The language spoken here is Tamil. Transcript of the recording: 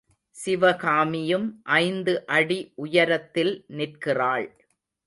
சிவகாமியும் ஐந்து அடி உயரத்தில் நிற்கிறாள்.